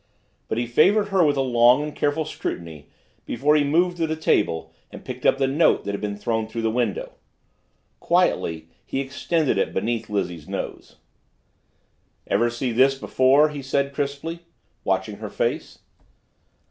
But he favored her with a long and careful scrutiny before he moved to the table and picked up the note that had been thrown through the window. Quietly he extended it beneath Lizzie's nose. "Ever see this before?" he said crisply, watching her face.